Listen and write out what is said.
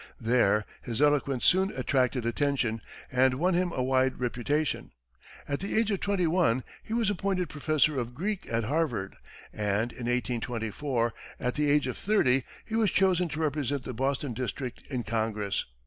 There his eloquence soon attracted attention, and won him a wide reputation. At the age of twenty one, he was appointed professor of Greek at Harvard; and in 1824, at the age of thirty, he was chosen to represent the Boston district in Congress.